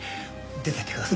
出ていってください。